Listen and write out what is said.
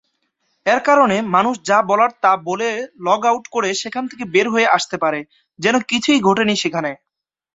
এর কারণে মানুষ যা বলার তা বলে লগ আউট করে সেখান থেকে বের হয়ে আসতে পারে, যেন কিছুই ঘটেনি সেখানে।